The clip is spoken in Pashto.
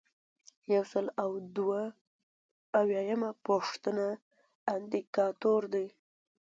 یو سل او دوه اویایمه پوښتنه اندیکاتور دی.